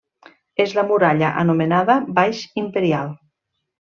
És la muralla anomenada Baix-imperial.